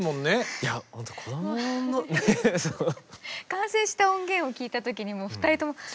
完成した音源を聴いた時に２人とも。